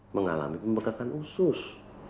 mengalami pembengkakan usus